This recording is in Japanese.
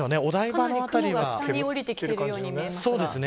雲が下に降りてきているように見えます。